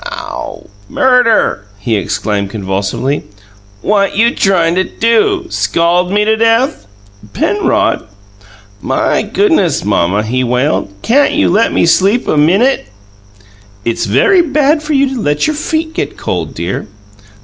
"Ow, murder!" he exclaimed convulsively. "What you tryin' to do? Scald me to death?" "Penrod " "My goodness, Mamma," he wailed; "can't you let me sleep a MINUTE?" "It's very bad for you to let your feet get cold, dear."